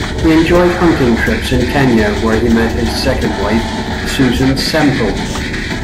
He enjoyed hunting trips in Kenya, where he met his second wife, Susan Semple.